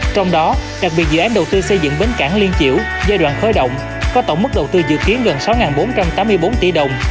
trong đó đặc biệt dự án đầu tư xây dựng bến cảng liên chiểu giai đoạn khởi động có tổng mức đầu tư dự kiến gần sáu bốn trăm tám mươi bốn tỷ đồng